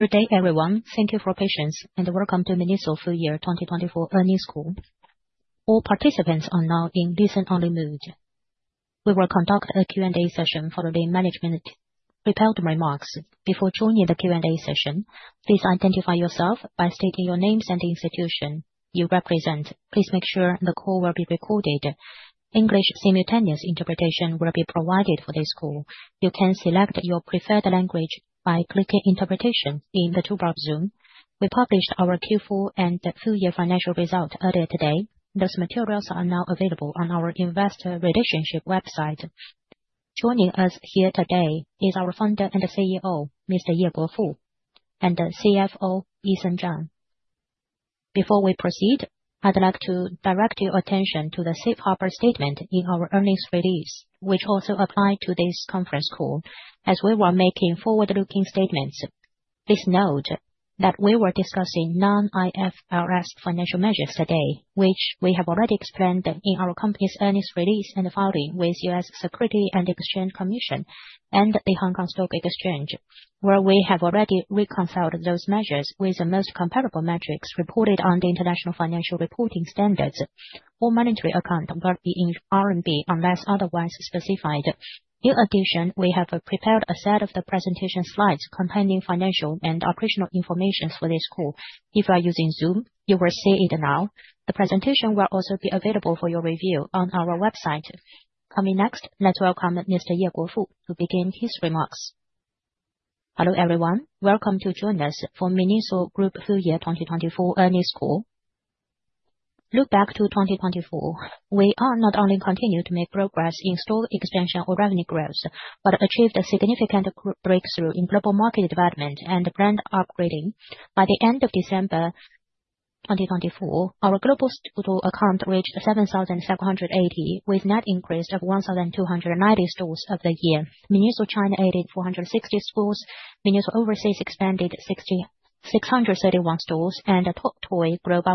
Good day, everyone. Thank you for your patience, and welcome to MINISO Full Year 2024 Earnings Call. All participants are now in listen-only mode. We will conduct a Q&A session for the management. Prepared remarks. Before joining the Q&A session, please identify yourself by stating your names and the institution you represent. Please make sure the call will be recorded. English simultaneous interpretation will be provided for this call. You can select your preferred language by clicking "Interpretation" in the toolbar of Zoom. We published our Q4 and Full Year Financial Result earlier today. Those materials are now available on our Investor Relations website. Joining us here today is our founder and CEO, Mr. Ye Guofu, and CFO, Eason Zhang. Before we proceed, I'd like to direct your attention to the Safe Harbor statement in our earnings release, which also applies to this conference call, as we are making forward-looking statements. Please note that we were discussing non-IFRS financial measures today, which we have already explained in our company's earnings release and filing with the U.S. Securities and Exchange Commission and the Hong Kong Stock Exchange, where we have already reconciled those measures with the most comparable metrics reported on the International Financial Reporting Standards. All monetary accounts will be in RMB unless otherwise specified. In addition, we have prepared a set of the presentation slides containing financial and operational information for this call. If you are using Zoom, you will see it now. The presentation will also be available for your review on our website. Coming next, let's welcome Mr. Ye Guofu to begin his remarks. Hello, everyone. Welcome to join us for MINISO Group Full Year 2024 Earnings Call. Look back to 2024. We are not only continuing to make progress in store extension or revenue growth, but achieved a significant breakthrough in global market development and brand upgrading. By the end of December 2024, our global total account reached 7,780, with net increase of 1,290 stores of the year. MINISO China added 460 stores, MINISO Overseas expanded 631 stores, and TOP TOY grew by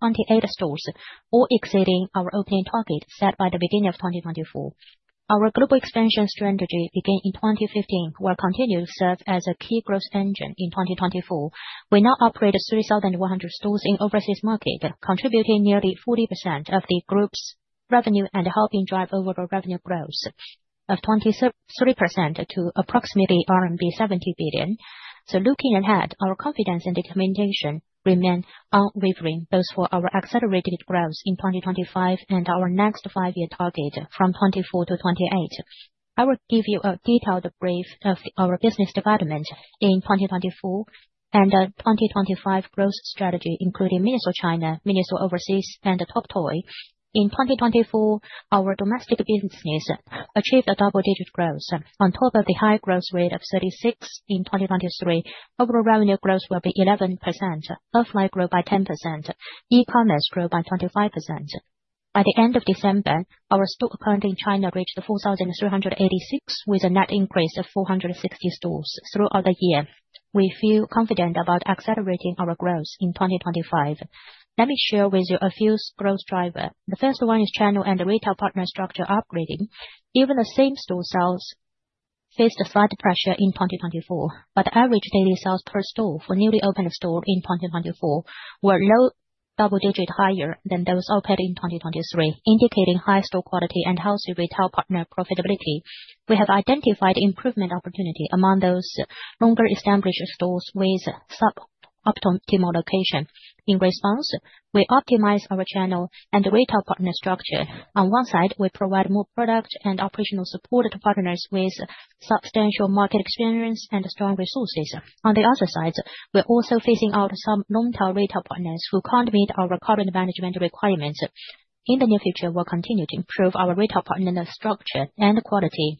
128 stores, all exceeding our opening target set by the beginning of 2024. Our global expansion strategy began in 2015, where continued to serve as a key growth engine in 2024. We now operate 3,100 stores in overseas market, contributing nearly 40% of the group's revenue and helping drive overall revenue growth of 23% to approximately RMB 70 billion. Looking ahead, our confidence and determination remain unwavering both for our accelerated growth in 2025 and our next five-year target from 2024 to 2028. I will give you a detailed brief of our business development in 2024 and 2025 growth strategy, including MINISO China, MINISO Overseas, and TOI. In 2024, our domestic business achieved a double-digit growth. On top of the high growth rate of 36% in 2023, overall revenue growth will be 11%, offline growth by 10%, e-commerce growth by 25%. By the end of December, our store count in China reached 4,386, with a net increase of 460 stores throughout the year. We feel confident about accelerating our growth in 2025. Let me share with you a few growth drivers. The first one is channel and retail partner structure upgrading. Even though Same-store sales faced slight pressure in 2024, average daily sales per store for newly opened stores in 2024 were low double-digit higher than those opened in 2023, indicating high store quality and healthy retail partner profitability. We have identified improvement opportunity among those longer established stores with sub-optimal location. In response, we optimize our channel and retail partner structure. On one side, we provide more product and operational support to partners with substantial market experience and strong resources. On the other side, we're also phasing out some long-term retail partners who can't meet our current management requirements. In the near future, we'll continue to improve our retail partner structure and quality.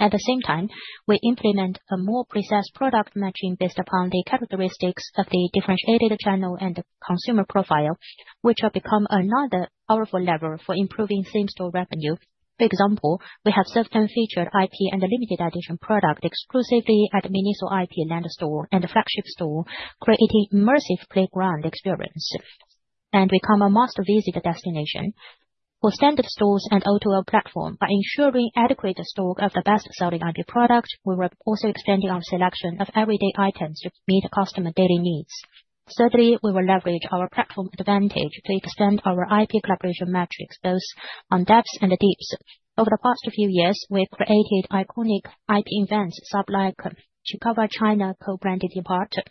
At the same time, we implement a more precise product matching based upon the characteristics of the differentiated channel and consumer profile, which will become another powerful lever for improving Same-store revenue. For example, we have self-turned featured IP and limited-edition product exclusively at MINISO IP LAND store and flagship store, creating immersive playground experience, and become a must-visit destination. For standard stores and O2O platform, by ensuring adequate stock of the best-selling IP product, we were also extending our selection of everyday items to meet customer daily needs. Thirdly, we will leverage our platform advantage to extend our IP collaboration metrics, both on depth and deeps. Over the past few years, we've created iconic IP events sublike to cover China co-branded departure,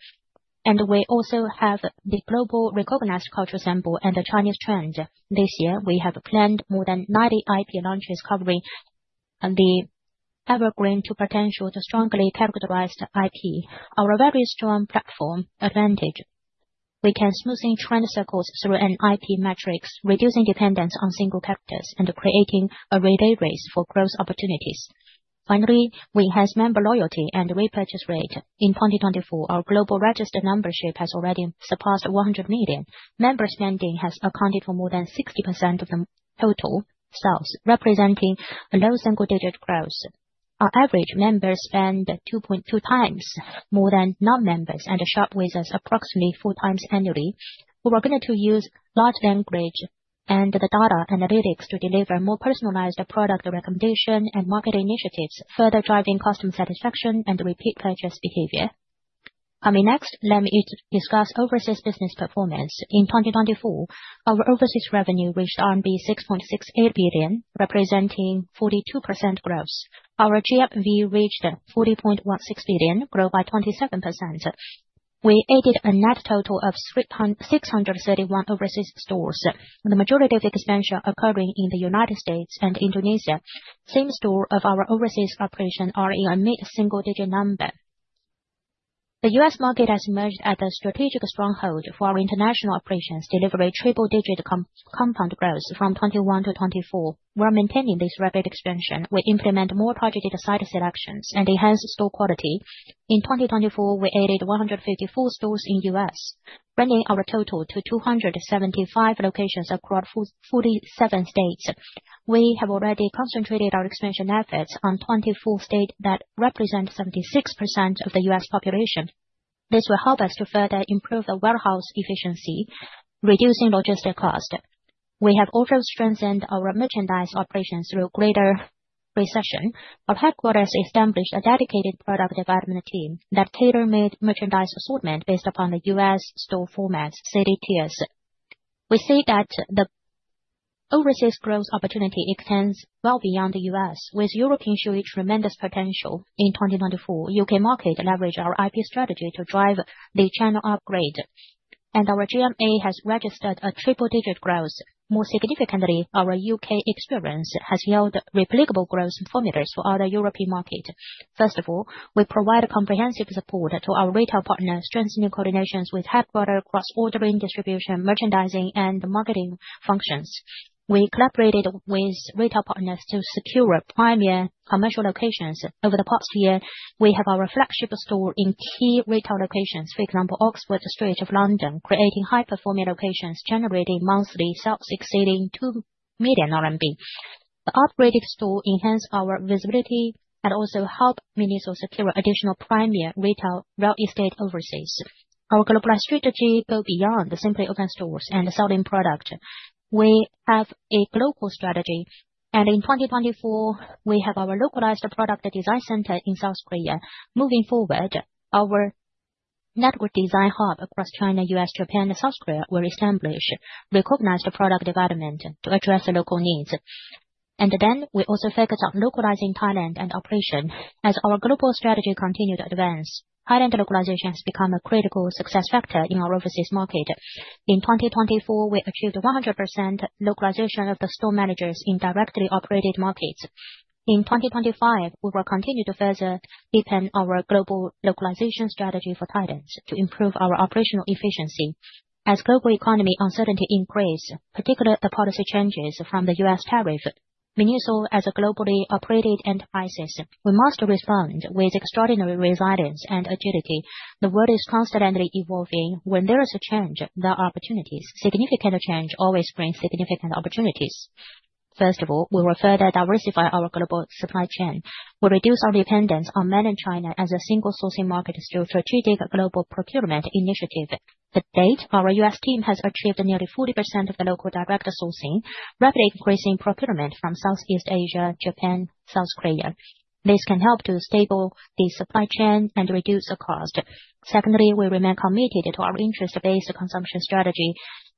and we also have the global recognized cultural symbol and the Chinese trend. This year, we have planned more than 90 IP launches covering the evergreen to potential to strongly characterized IP. Our very strong platform advantage, we can smoothen trend cycles through an IP metrics, reducing dependence on single characters and creating a relay race for growth opportunities. Finally, we have member loyalty and repurchase rate. In 2024, our global registered membership has already surpassed 100 million. Member spending has accounted for more than 60% of the total sales, representing a low single-digit growth. Our average member spend is 2.2 times more than non-members and shop with us approximately four times annually. We were going to use large language and the data analytics to deliver more personalized product recommendation and market initiatives, further driving customer satisfaction and repeat purchase behavior. Coming next, let me discuss overseas business performance. In 2024, our overseas revenue reached RMB 6.68 billion, representing 42% growth. Our GMV reached 40.16 billion, growing by 27%. We added a net total of 631 overseas stores, with the majority of the expansion occurring in the U.S. and Indonesia. Same-stores of our overseas operations are in a mid-single-digit number. The U.S. market has emerged as a strategic stronghold for our international operations, delivering triple-digit compound growth from 2021 to 2024. While maintaining this rapid expansion, we implement more targeted site selections and enhance store quality. In 2024, we added 154 stores in the U.S., bringing our total to 275 locations across 47 states. We have already concentrated our expansion efforts on 24 states that represent 76% of the U.S. population. This will help us to further improve the warehouse efficiency, reducing logistic costs. We have also strengthened our merchandise operations through greater precision. Our headquarters established a dedicated product development team that tailor-made merchandise assortment based upon the U.S. store formats, CDTs. We see that the overseas growth opportunity extends well beyond the U.S., with European shows tremendous potential. In 2024, the U.K. market leveraged our IP strategy to drive the channel upgrade, and our GMV has registered a triple-digit growth. More significantly, our U.K. experience has yielded replicable growth formulas for other European markets. First of all, we provide comprehensive support to our retail partners, strengthening coordinations with headquarters, cross-ordering, distribution, merchandising, and marketing functions. We collaborated with retail partners to secure primary commercial locations. Over the past year, we have our flagship store in key retail locations, for example, Oxford Street of London, creating high-performing locations, generating monthly sales exceeding 2 million RMB. The upgraded store enhanced our visibility and also helped MINISO secure additional primary retail real estate overseas. Our globalized strategy goes beyond simply open stores and selling product. We have a global strategy, and in 2024, we have our localized product design center in South Korea. Moving forward, our network design hub across China, U.S., Japan, and South Korea will establish recognized product development to address local needs. We also focused on localizing Talent and operation. As our global strategy continued to advance, talent localization has become a critical success factor in our overseas market. In 2024, we achieved 100% localization of the store managers in directly operated markets. In 2025, we will continue to further deepen our global localization strategy for talent to improve our operational efficiency. As global economy uncertainty increases, particularly the policy changes from the U.S. tariff, MINISO, as a globally operated enterprise, we must respond with extraordinary resilience and agility. The world is constantly evolving. When there is a change, there are opportunities. Significant change always brings significant opportunities. First of all, we will further diversify our global supply chain. We will reduce our dependence on mainland China as a single sourcing market through strategic global procurement initiative. To date, our U.S. team has achieved nearly 40% of the local direct sourcing, rapidly increasing procurement from Southeast Asia, Japan, and South Korea. This can help to stable the supply chain and reduce the cost. Secondly, we remain committed to our interest-based consumption strategy.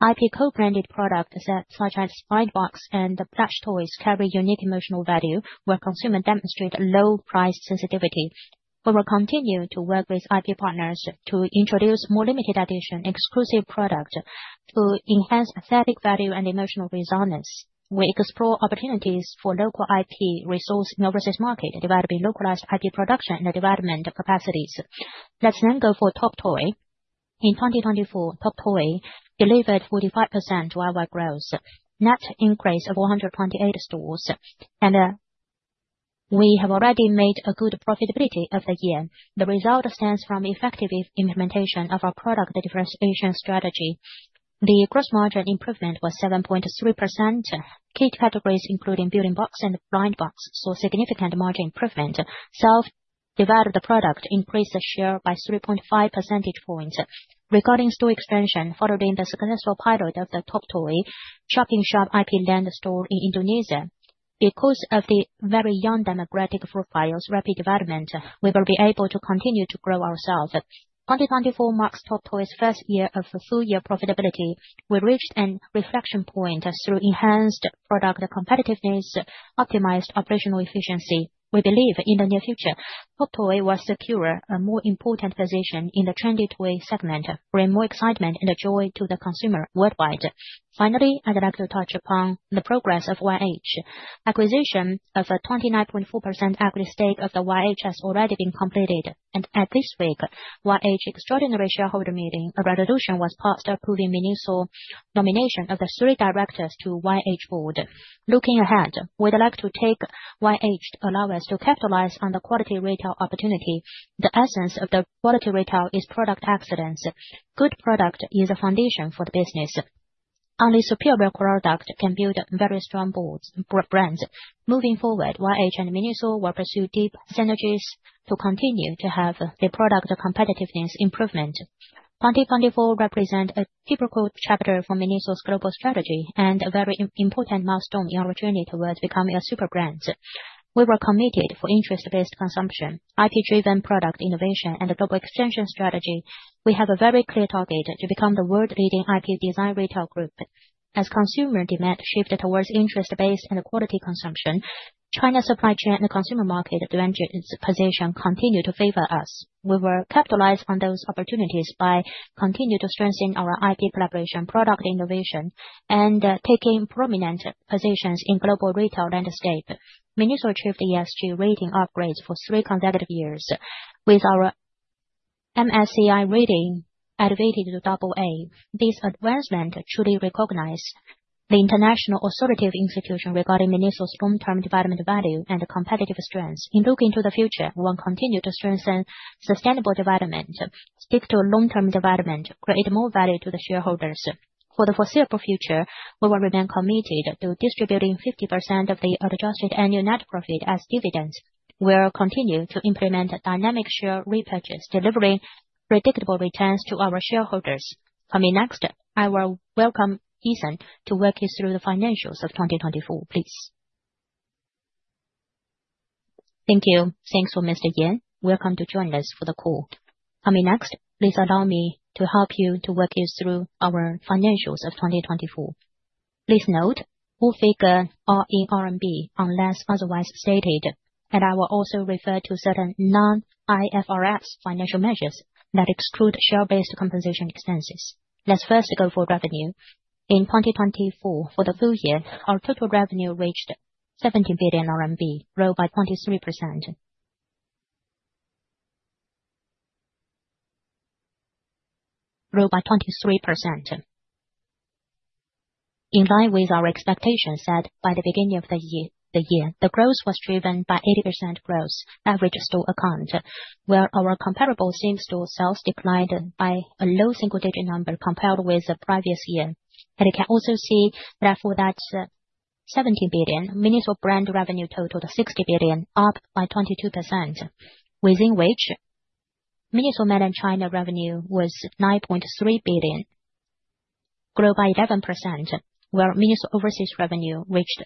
IP co-branded products such as Blind Box and Plush Toys carry unique emotional value, where consumers demonstrate low price sensitivity. We will continue to work with IP partners to introduce more limited-edition exclusive products to enhance aesthetic value and emotional resonance. We explore opportunities for local IP resource in overseas market, developing localized IP production and development capacities. Let's then go for TOP TOY. In 2024, TOP TOY delivered 45% worldwide growth, net increase of 128 stores, and we have already made a good profitability of the year. The result stems from effective implementation of our product differentiation strategy. The gross margin improvement was 7.3%. Key categories, including Building Blocks and Blind Box, saw significant margin improvement. Self-developed product increased the share by 3.5 percentage points. Regarding store expansion, following the successful pilot of the TOP TOY Shop-in-Shop IP LAND store in Indonesia, because of the very young demographic profile's rapid development, we will be able to continue to grow ourselves. 2024 marks TOP TOY's first year of full-year profitability. We reached a inflection point through enhanced product competitiveness, optimized operational efficiency. We believe in the near future, TOP TOY will secure a more important position in the trendy TOP TOY segment, bringing more excitement and joy to the consumer worldwide. Finally, I'd like to touch upon the progress of YH. Acquisition of a 29.4% equity stake of YH has already been completed, and at this week, YH extraordinary shareholder meeting, a resolution was passed approving MINISO nomination of the three directors to YH board. Looking ahead, we'd like to take YH to allow us to capitalize on the quality retail opportunity. The essence of the quality retail is product excellence. Good product is a foundation for the business. Only superior product can build very strong brands. Moving forward, YH and MINISO will pursue deep synergies to continue to have the product competitiveness improvement. 2024 represents a pivotal chapter for MINISO's global strategy and a very important milestone in our journey towards becoming a super brand. We were committed for interest-based consumption, IP-driven product innovation, and a global expansion strategy. We have a very clear target to become the world-leading IP design retail group. As consumer demand shifted towards interest-based and quality consumption, China's supply chain and consumer market advantage position continued to favor us. We will capitalize on those opportunities by continuing to strengthen our IP collaboration, product innovation, and taking prominent positions in global retail landscape. MINISO achieved ESG rating upgrades for three consecutive years, with our MSCI rating elevated to double A. This advancement truly recognized the international authoritative institution regarding MINISO's long-term development value and competitive strengths. In looking to the future, we will continue to strengthen sustainable development, stick to long-term development, and create more value to the shareholders. For the foreseeable future, we will remain committed to distributing 50% of the adjusted annual net profit as dividends. We will continue to implement dynamic share repurchase, delivering predictable returns to our shareholders. Coming next, I will welcome Eason to walk us through the financials of 2024. Please. Thank you. Thanks for Mr. Ye. Welcome to join us for the call. Coming next, please allow me to help you to walk you through our financials of 2024. Please note, full figure are in RMB unless otherwise stated, and I will also refer to certain non-IFRS financial measures that exclude share-based compensation expenses. Let's first go for revenue. In 2024, for the full year, our total revenue reached 17 billion RMB, growing by 23%. Grow by 23%. In line with our expectations set by the beginning of the year, the growth was driven by 80% growth average store account, where our comparable Same-store sales declined by a low single-digit number compared with the previous year. You can also see, therefore, that 17 billion, MINISO brand revenue totaled 16 billion, up by 22%, within which MINISO mainland China revenue was 9.3 billion, growing by 11%, where MINISO overseas revenue reached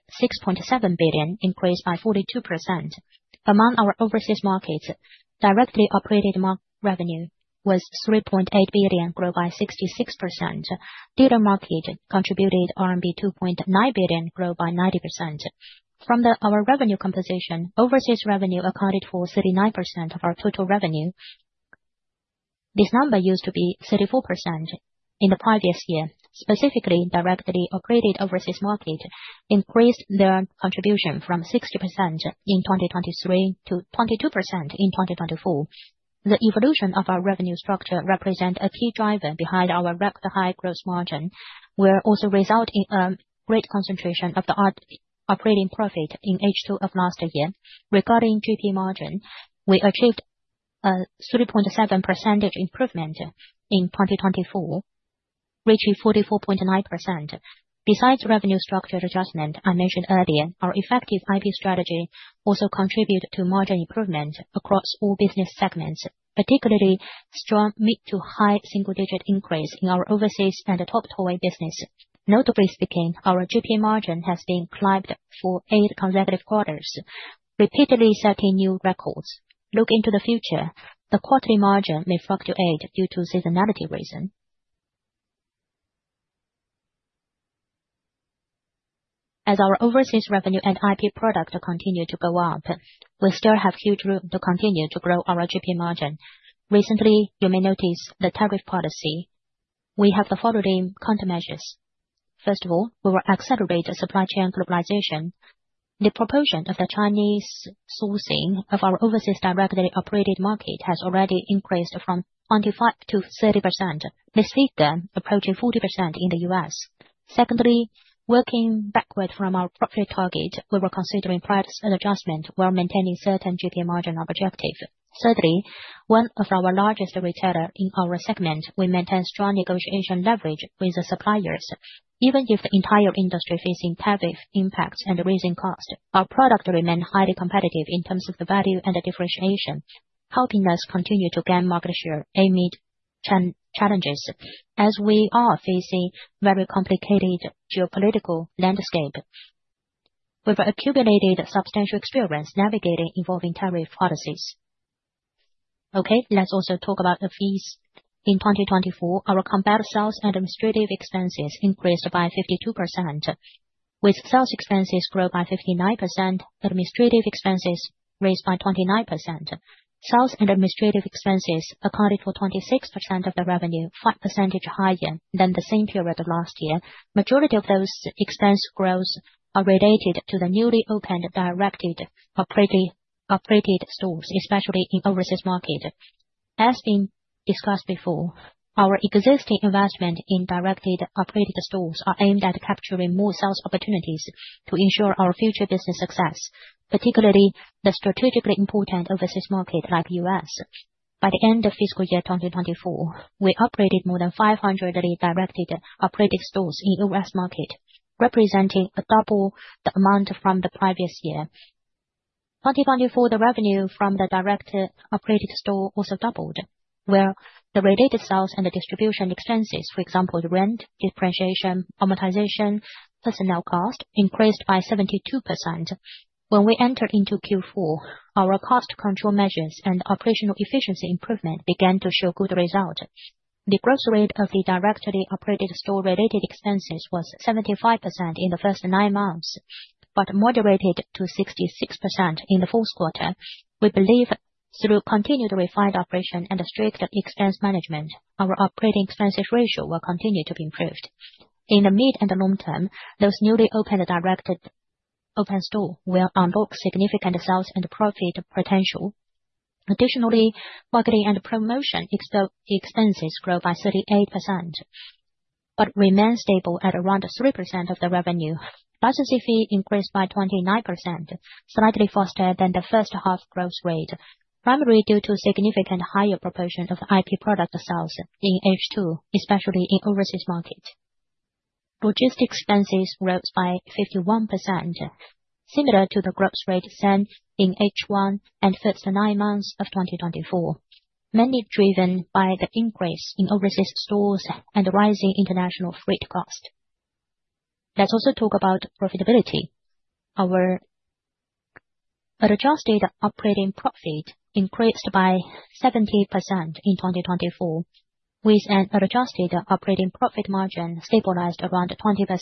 6.7 billion, increased by 42%. Among our overseas markets, directly operated market revenue was 3.8 billion, growing by 66%. Detail market contributed RMB 2.9 billion, growing by 90%. From our revenue composition, overseas revenue accounted for 39% of our total revenue. This number used to be 34% in the previous year. Specifically, directly operated overseas market increased their contribution from 16% in 2023 to 22% in 2024. The evolution of our revenue structure represents a key driver behind our record-high gross margin, which also resulted in a great concentration of the operating profit in the second half of last year. Regarding GP margin, we achieved a 3.7% improvement in 2024, reaching 44.9%. Besides revenue structure adjustment I mentioned earlier, our effective IP strategy also contributed to margin improvement across all business segments, particularly strong mid to high single-digit increase in our overseas and TOP TOY business. Notably speaking, our GP margin has been climbed for eight consecutive quarters, repeatedly setting new records. Looking to the future, the quarterly margin may fluctuate due to seasonality reasons. As our overseas revenue and IP product continue to go up, we still have huge room to continue to grow our GP margin. Recently, you may notice the tariff policy. We have the following countermeasures. First of all, we will accelerate the supply chain globalization. The proportion of the Chinese sourcing of our overseas directly operated market has already increased from 25% to 30%. This figure approaching 40% in the U.S. Secondly, working backward from our profit target, we were considering price adjustment while maintaining certain GP margin objectives. Thirdly, one of our largest retailers in our segment, we maintain strong negotiation leverage with the suppliers. Even if the entire industry facing tariff impacts and raising costs, our product remained highly competitive in terms of the value and differentiation, helping us continue to gain market share amid challenges. As we are facing very complicated geopolitical landscape, we have accumulated substantial experience navigating evolving tariff policies. Okay, let's also talk about the fees. In 2024, our combined sales and administrative expenses increased by 52%, with sales expenses growing by 59%, administrative expenses raised by 29%. Sales and administrative expenses accounted for 26% of the revenue, 5% higher than the same period of last year. Majority of those expense growths are related to the newly opened directed operated stores, especially in overseas market. As been discussed before, our existing investment in directly operated stores is aimed at capturing more sales opportunities to ensure our future business success, particularly the strategically important overseas market like the U.S. By the end of fiscal year 2024, we operated more than 500 directly operated stores in the U.S. market, representing double the amount from the previous year. In 2024, the revenue from the directly operated store also doubled, where the related sales and distribution expenses, for example, the rent, depreciation, amortization, and personnel cost, increased by 72%. When we entered into Q4, our cost control measures and operational efficiency improvement began to show good results. The growth rate of the directly operated store-related expenses was 75% in the first nine months, but moderated to 66% in the fourth quarter. We believe through continued refined operation and strict expense management, our operating expenses ratio will continue to be improved. In the mid and long term, those newly opened direct open store will unlock significant sales and profit potential. Additionally, marketing and promotion expenses grow by 38%, but remain stable at around 3% of the revenue. Licensing fee increased by 29%, slightly faster than the first half growth rate, primarily due to a significant higher proportion of the IP product sales in H2, especially in overseas market. Logistics expenses rose by 51%, similar to the growth rate seen in H1 and first nine months of 2024, mainly driven by the increase in overseas stores and rising international freight cost. Let's also talk about profitability. Our adjusted operating profit increased by 70% in 2024, with an adjusted operating profit margin stabilized around 20%.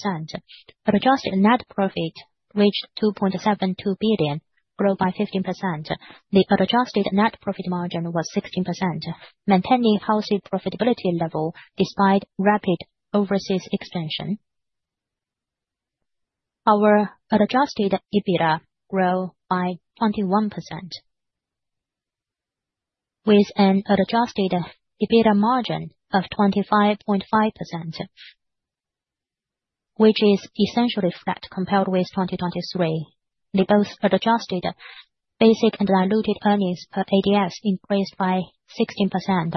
Adjusted net profit reached 2.72 billion, growing by 15%. The adjusted net profit margin was 16%, maintaining healthy profitability level despite rapid overseas expansion. Our adjusted EBITDA grew by 21%, with an adjusted EBITDA margin of 25.5%, which is essentially flat compared with 2023. The both adjusted basic and diluted earnings per ADS increased by 16%,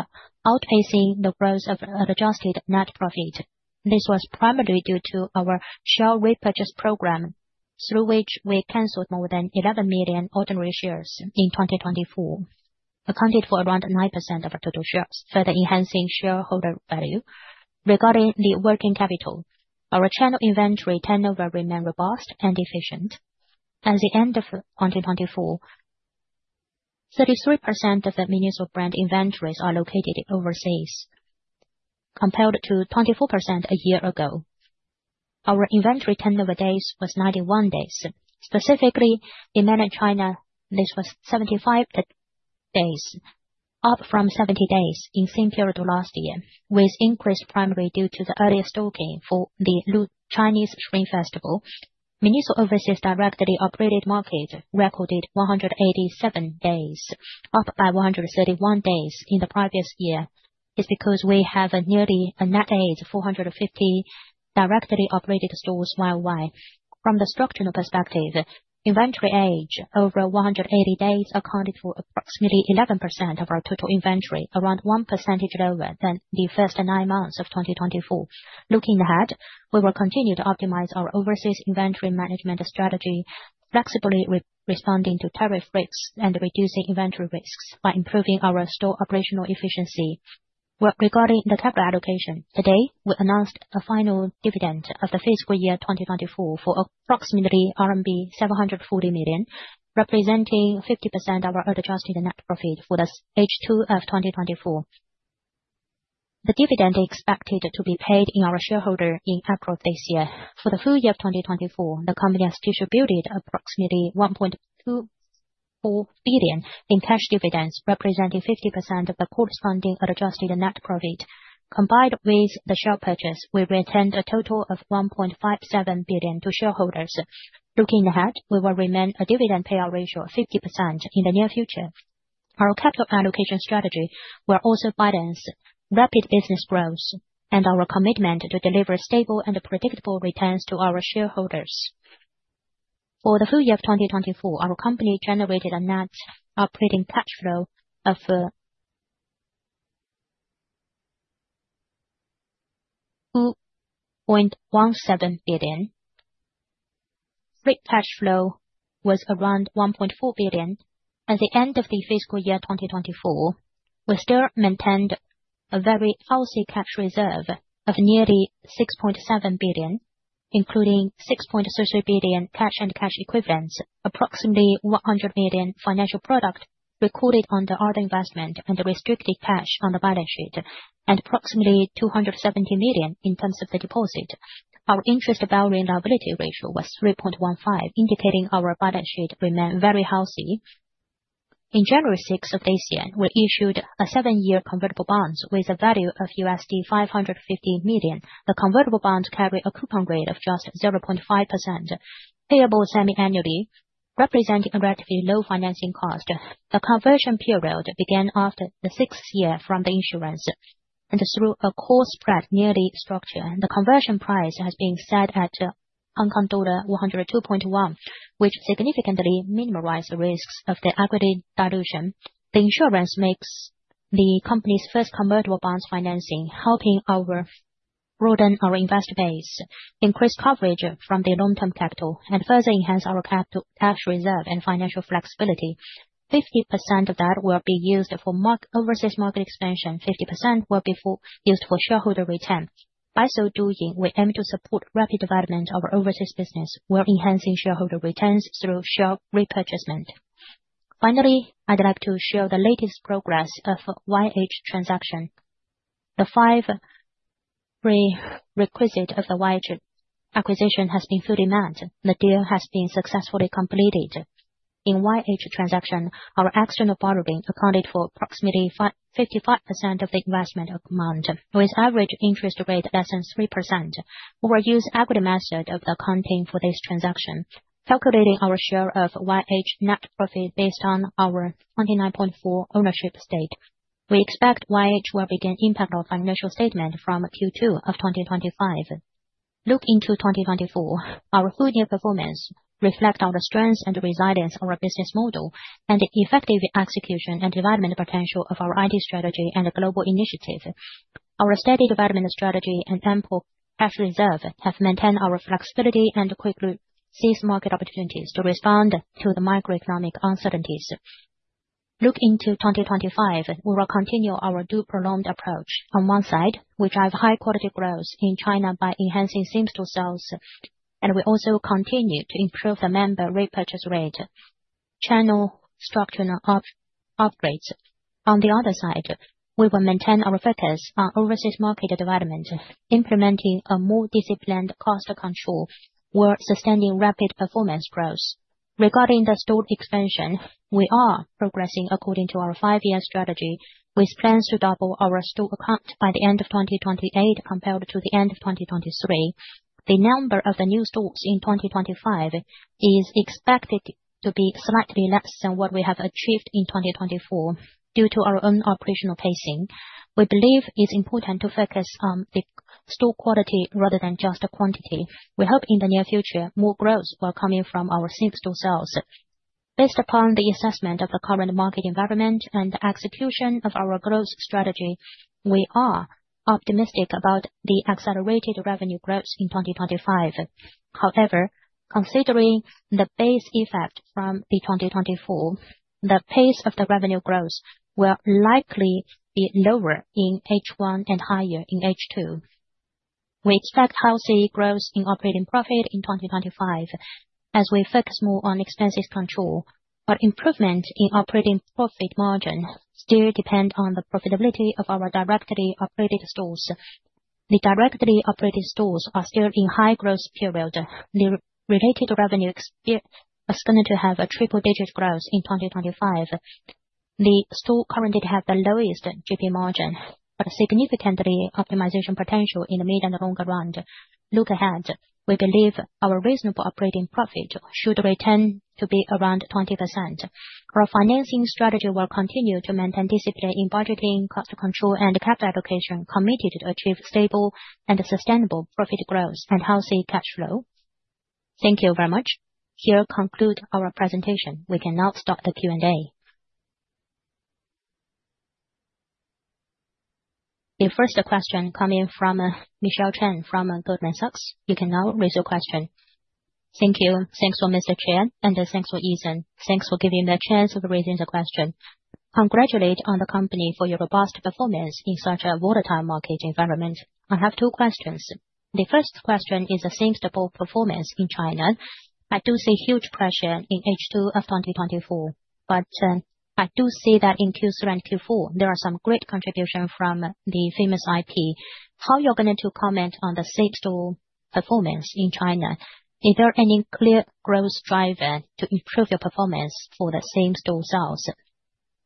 outpacing the growth of adjusted net profit. This was primarily due to our share repurchase program, through which we canceled more than 11 million ordinary shares in 2024, accounted for around 9% of our total shares, further enhancing shareholder value. Regarding the working capital, our channel inventory turnover remained robust and efficient. At the end of 2024, 33% of the MINISO brand inventories are located overseas, compared to 24% a year ago. Our inventory turnover days was 91 days. Specifically, in mainland China, this was 75 days, up from 70 days in the same period of last year, with increase primarily due to the earlier stocking for the Chinese Spring Festival. MINISO overseas directly operated market recorded 187 days, up by 131 days in the previous year. It's because we have nearly a net age of 450 directly operated stores worldwide. From the structural perspective, inventory age over 180 days accounted for approximately 11% of our total inventory, around 1% lower than the first nine months of 2024. Looking ahead, we will continue to optimize our overseas inventory management strategy, flexibly responding to tariff risks and reducing inventory risks by improving our store operational efficiency. Regarding the capital allocation, today, we announced a final dividend of the fiscal year 2024 for approximately RMB 740 million, representing 50% of our adjusted net profit for the H2 of 2024. The dividend expected to be paid to our shareholders in April this year. For the full year of 2024, the company has distributed approximately 1.24 billion in cash dividends, representing 50% of the corresponding adjusted net profit. Combined with the share purchase, we retained a total of 1.57 billion to shareholders. Looking ahead, we will remain a dividend payout ratio of 50% in the near future. Our capital allocation strategy will also balance rapid business growth and our commitment to deliver stable and predictable returns to our shareholders. For the full year of 2024, our company generated a net operating cash flow of 2.17 billion. Free cash flow was around 1.4 billion. At the end of the fiscal year 2024, we still maintained a very healthy cash reserve of nearly 6.7 billion, including 6.33 billion cash and cash equivalents, approximately 100 million financial product recorded on the other investment and restricted cash on the balance sheet, and approximately 270 million in terms of the deposit. Our interest-bearing liability ratio was 3.15, indicating our balance sheet remained very healthy. In January 6 of this year, we issued a seven-year convertible bond with a value of $550 million. The convertible bond carried a coupon rate of just 0.5%, payable semi-annually, representing a relatively low financing cost. The conversion period began after the sixth year from the issuance, and through a core spread nearly structured, the conversion price has been set at Hong Kong dollar 102.1, which significantly minimizes the risks of the equity dilution. The insurance makes the company's first convertible bond financing, helping us broaden our investor base, increase coverage from the long-term capital, and further enhance our cash reserve and financial flexibility. 50% of that will be used for overseas market expansion. 50% will be used for shareholder return. By so doing, we aim to support rapid development of our overseas business while enhancing shareholder returns through share repurchasement. Finally, I'd like to share the latest progress of YH transaction. The five pre-requisites of the YH acquisition have been fully met. The deal has been successfully completed. In YH transaction, our external borrowing accounted for approximately 55% of the investment amount, with average interest rate less than 3%. We will use the equity method of the accounting for this transaction, calculating our share of YH net profit based on our 29.4% ownership state. We expect YH will begin impacting our financial statement from Q2 of 2025. Looking to 2024, our full-year performance reflects our strengths and resilience of our business model, and the effective execution and development potential of our IT strategy and global initiative. Our steady development strategy and ample cash reserve have maintained our flexibility and quickly seized market opportunities to respond to the macroeconomic uncertainties. Looking to 2025, we will continue our due-prolonged approach. On one side, we drive high-quality growth in China by enhancing SIMSTO sales and will also continue to improve the member repurchase rate. Channel structural upgrades. On the other side, we will maintain our focus on overseas market development, implementing a more disciplined cost control while sustaining rapid performance growth. Regarding the store expansion, we are progressing according to our five-year strategy, with plans to double our store count by the end of 2028 compared to the end of 2023. The number of the new stores in 2025 is expected to be slightly less than what we have achieved in 2024 due to our own operational pacing. We believe it's important to focus on the store quality rather than just quantity. We hope in the near future, more growth will come in from our SIMSTO sales. Based upon the assessment of the current market environment and the execution of our growth strategy, we are optimistic about the accelerated revenue growth in 2025. However, considering the base effect from 2024, the pace of the revenue growth will likely be lower in H1 and higher in H2. We expect healthy growth in operating profit in 2025 as we focus more on expenses control, but improvement in operating profit margin still depends on the profitability of our directly operated stores. The directly operated stores are still in a high-growth period. The related revenue is expected to have a triple-digit growth in 2025. The store currently has the lowest GP margin, but significant optimization potential in the mid and longer run. Look ahead, we believe our reasonable operating profit should return to be around 20%. Our financing strategy will continue to maintain discipline in budgeting, cost control, and capital allocation, committed to achieve stable and sustainable profit growth and healthy cash flow. Thank you very much. Here concludes our presentation. We now start the Q&A. The first question coming from Michelle Cheng from Goldman Sachs. You can now raise your question. Thank you. Thanks for Mr. Chen, and thanks for Eason. Thanks for giving me a chance of raising the question. Congratulations on the company for your robust performance in such a volatile market environment. I have two questions. The first question is the SIMSTO performance in China. I do see huge pressure in H2 of 2024, but I do see that in Q3 and Q4, there are some great contributions from the famous IP. How are you going to comment on the SIMSTO performance in China? Is there any clear growth driver to improve your performance for the SIMSTO sales?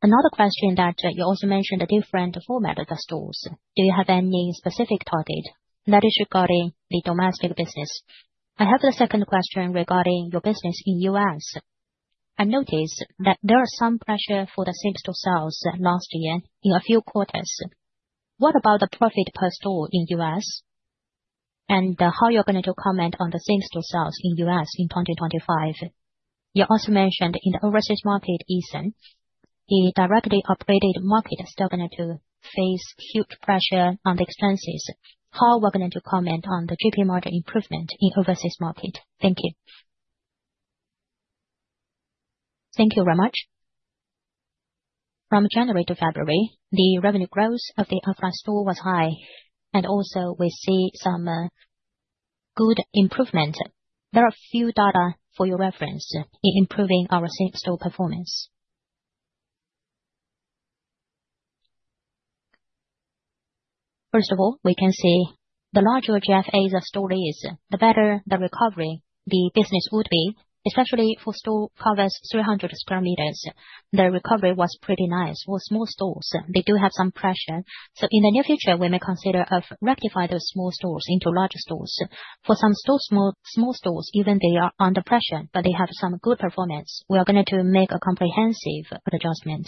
Another question that you also mentioned is the different format of the stores. Do you have any specific target? That is regarding the domestic business. I have the second question regarding your business in the U.S. I noticed that there was some pressure for the SIMSTO sales last year in a few quarters. What about the profit per store in the U.S.? How are you going to comment on the SIMSTO sales in the U.S. in 2025? You also mentioned in the overseas market, Eason, the directly operated market is still going to face huge pressure on the expenses. How are you going to comment on the GP margin improvement in the overseas market? Thank you. Thank you very much. From January to February, the revenue growth of the Offline store was high, and also we see some good improvement. There are a few data for your reference in improving our SIMSTO performance. First of all, we can see the larger GFAs of store is, the better the recovery the business would be, especially for store covered 300 sq m. The recovery was pretty nice for small stores. They do have some pressure. In the near future, we may consider rectifying those small stores into larger stores. For some small stores, even if they are under pressure, they have some good performance. We are going to make a comprehensive adjustment.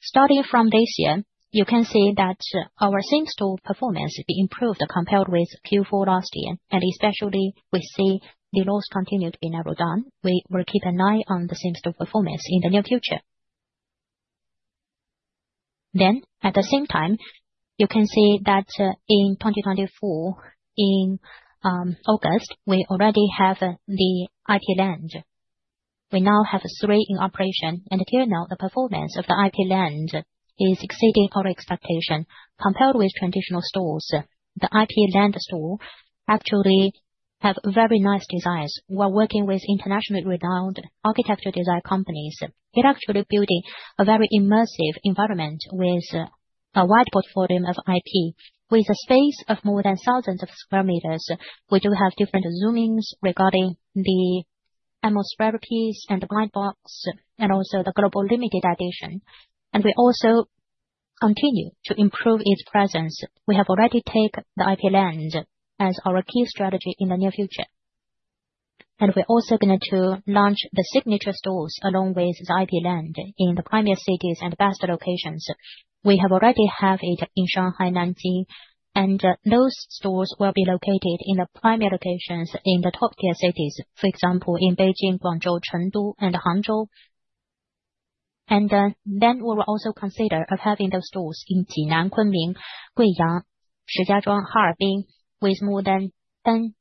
Starting from this year, you can see that our Same-store performance has been improved compared with Q4 last year, and especially we see the loss continued in Arowdan. We will keep an eye on the Same-store performance in the near future. At the same time, you can see that in 2024, in August, we already have the IP LAND. We now have three in operation, and until now, the performance of the IP LAND is exceeding our expectation. Compared with traditional stores, the IP LAND store actually has very nice designs. We're working with internationally renowned architecture design companies. It actually builds a very immersive environment with a wide portfolio of IP. With a space of more than thousands of square meters, we do have different zoomings regarding the atmospheric piece and the light box, and also the global limited edition. We also continue to improve its presence. We have already taken the IP LAND as our key strategy in the near future. We are also going to launch the signature stores along with the IP LAND in the premier cities and the best locations. We have already had it in Shanghai, Nanjing, and those stores will be located in the premier locations in the top-tier cities, for example, in Beijing, Guangzhou, Chengdu, and Hangzhou. We will also consider having those stores in Jinan, Kunming, Guiyang, Shijiazhuang, Harbin, with more than ten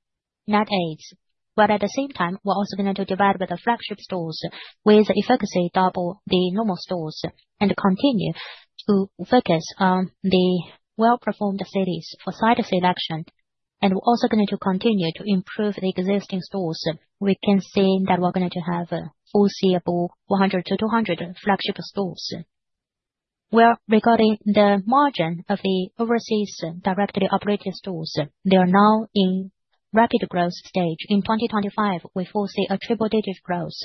net adds. At the same time, we're also going to develop the flagship stores with a focus to double the normal stores and continue to focus on the well-performed cities for site selection. We're also going to continue to improve the existing stores. We can see that we're going to have foreseeable 100-200 flagship stores. Regarding the margin of the overseas directly operated stores, they are now in rapid growth stage. In 2025, we foresee a triple-digit growth.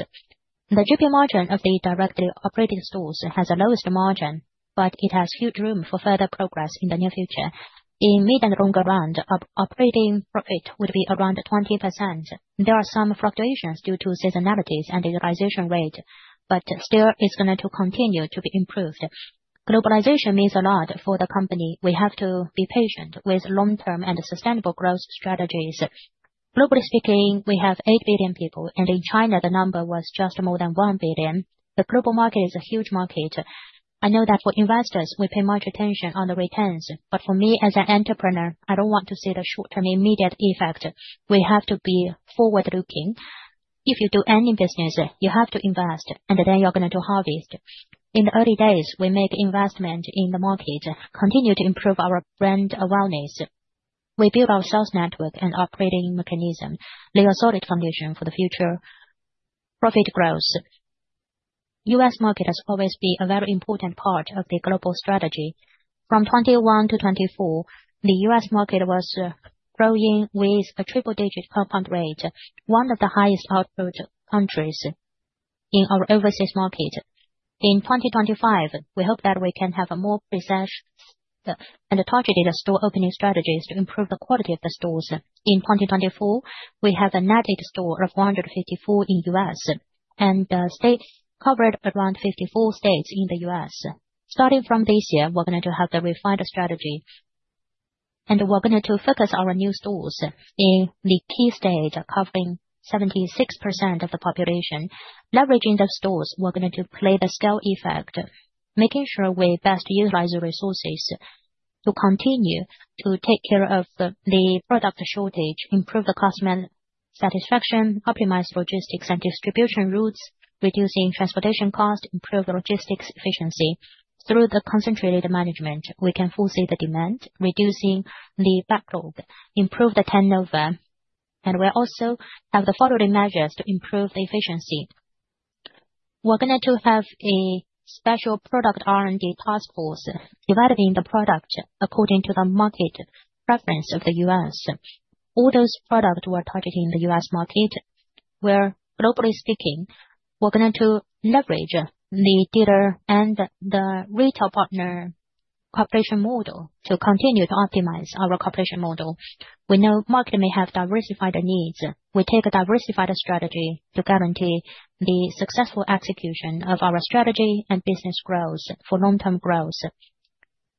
The GP margin of the directly operated stores has the lowest margin, but it has huge room for further progress in the near future. In the mid and longer run, operating profit would be around 20%. There are some fluctuations due to seasonalities and the utilization rate, but still, it's going to continue to be improved. Globalization means a lot for the company. We have to be patient with long-term and sustainable growth strategies. Globally speaking, we have 8 billion people, and in China, the number was just more than 1 billion. The global market is a huge market. I know that for investors, we pay much attention to the returns, but for me, as an entrepreneur, I do not want to see the short-term immediate effect. We have to be forward-looking. If you do any business, you have to invest, and then you are going to harvest. In the early days, we make investments in the market, continue to improve our brand awareness. We build our sales network and operating mechanism. Lay a solid foundation for the future profit growth. The U.S. market has always been a very important part of the global strategy. From 2021 to 2024, the U.S. market was growing with a triple-digit compound rate, one of the highest output countries in our overseas market. In 2025, we hope that we can have more precise and targeted store opening strategies to improve the quality of the stores. In 2024, we have a net add store of 454 in the U.S., and the state covered around 54 states in the U.S. Starting from this year, we're going to have the refined strategy, and we're going to focus our new stores in the key states covering 76% of the population. Leveraging the stores, we're going to play the scale effect, making sure we best utilize the resources to continue to take care of the product shortage, improve the customer satisfaction, optimize logistics and distribution routes, reduce transportation costs, improve logistics efficiency. Through the concentrated management, we can foresee the demand, reducing the backlog, improve the turnover, and we also have the following measures to improve the efficiency. We're going to have a special product R&D task force developing the product according to the market preference of the U.S. All those products we're targeting in the U.S. market, where globally speaking, we're going to leverage the dealer and the retail partner cooperation model to continue to optimize our cooperation model. We know the market may have diversified needs. We take a diversified strategy to guarantee the successful execution of our strategy and business growth for long-term growth.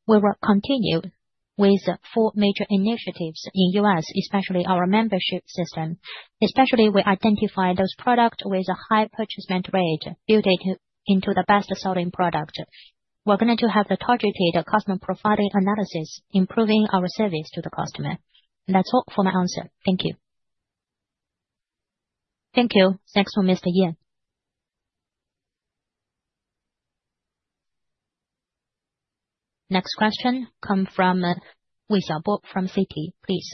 We will continue with four major initiatives in the U.S., especially our membership system. Especially, we identify those products with a high purchase rate built into the best-selling product. We're going to have the targeted customer profiling analysis, improving our service to the customer. That's all for my answer. Thank you. Thank you. Next one, Mr. Ye. Next question comes from Wei Xiaopo from Citi, please.